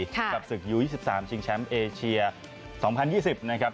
กับศึกยู๒๓ชิงแชมป์เอเชีย๒๐๒๐นะครับ